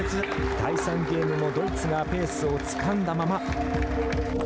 第３ゲームもドイツがペースをつかんだまま。